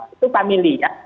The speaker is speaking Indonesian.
itu kami lihat